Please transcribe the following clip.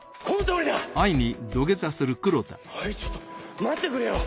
おいちょっと待ってくれよ